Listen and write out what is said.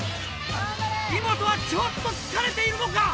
イモトはちょっと疲れているのか？